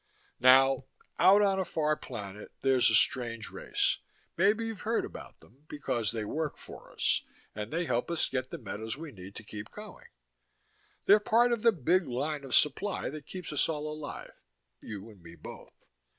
Now, out on a far planet there's a strange race. Maybe you've heard about them, because they work for us, they help get us the metals we need to keep going. They're part of the big line of supply that keeps us all alive, you and me both.